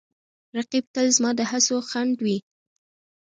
رقیب تل زما د هڅو خنډ وي